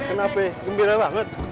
kenapa ya gembira banget